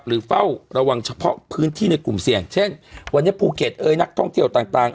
เฝ้าระวังเฉพาะพื้นที่ในกลุ่มเสี่ยงเช่นวันนี้ภูเก็ตเอ้ยนักท่องเที่ยวต่างต่าง